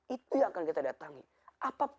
itu yang akan kita datangi